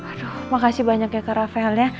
aduh makasih banyak ya kak rafael ya